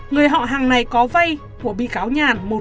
người họ hàng này có vay của bị cáo nhàn một bốn triệu usd